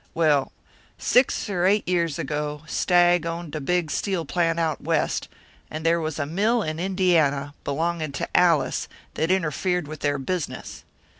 Well, six or eight years ago, Stagg owned a big steel plant out West; and there was a mill in Indiana, belonging to Allis, that interfered with their business.